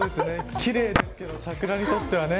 奇麗ですけど、桜にとってはね。